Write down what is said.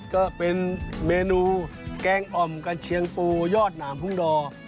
ก็เป็นเมนูแกงอ่อมกระเชียงปูยอดหนามหุ้งดอ